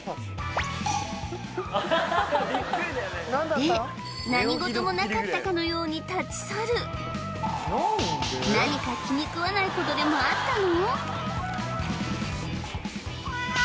で何事もなかったかのように立ち去る何か気に食わないことでもあったの？